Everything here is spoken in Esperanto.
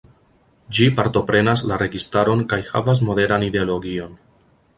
Ĝi partoprenas la registaron kaj havas moderan ideologion.